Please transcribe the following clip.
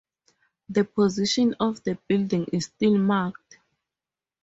The position of the building is still marked.